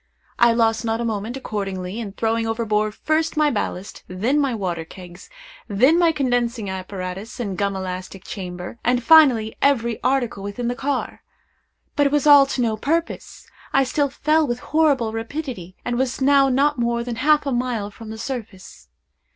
I lost not a moment, accordingly, in throwing overboard first my ballast, then my water kegs, then my condensing apparatus and gum elastic chamber, and finally every article within the car. But it was all to no purpose. I still fell with horrible rapidity, and was now not more than half a mile from the surface.